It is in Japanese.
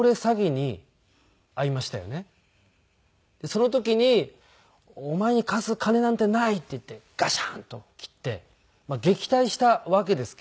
その時に「お前に貸す金なんてない！」って言ってガシャンと切って撃退したわけですけども。